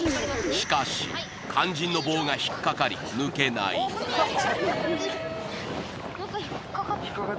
しかし肝心の棒が引っ掛かり抜けないはいーとうわっ！